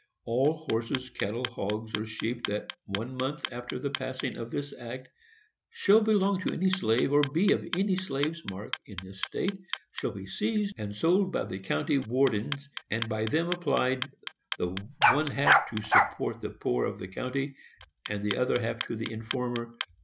] All horses, cattle, hogs or sheep, that, one month after the passing of this act, shall belong to any slave, or be of any slave's mark, in this state, shall be seized and sold by the county wardens, and by them applied, the one half to the support of the poor of the county, and the other half to the informer.